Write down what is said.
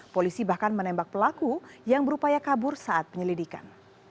polisi bahkan menembak pelaku yang berupaya kabur saat penyelidikan